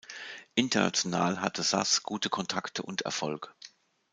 International hatte Saz gute Kontakte und Erfolg.